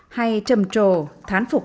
hay trầm trồ thán phục